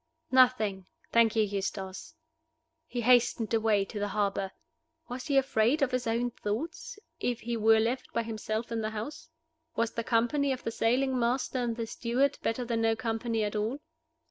"Nothing thank you, Eustace." He hastened away to the harbor. Was he afraid of his own thoughts, if he were left by himself in the house. Was the company of the sailing master and the steward better than no company at all?